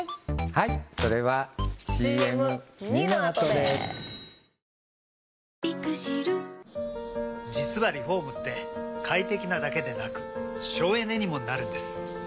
はいそれはＣＭ②のあとで実はリフォームって快適なだけでなく省エネにもなるんです。